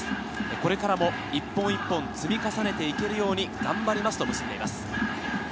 これからも一本一本積み重ねていけるように頑張りますと結んでいます。